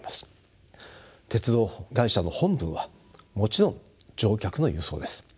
鉄道会社の本分はもちろん乗客の輸送です。